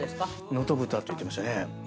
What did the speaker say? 能登豚って言ってましたね。